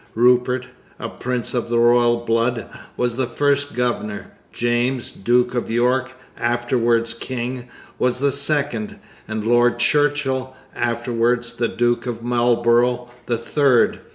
Rupert, a prince of royal blood, was the first governor; James, Duke of York, afterwards king, was the second, and Lord Churchill, afterwards the Duke of Marlborough, the third.